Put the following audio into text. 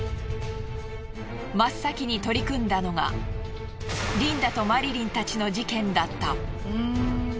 真っ先に取り組んだのがリンダとマリリンたちの事件だった。